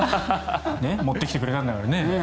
持ってきてくれたんだから。